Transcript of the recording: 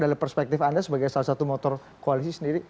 dari perspektif anda sebagai salah satu motor koalisi sendiri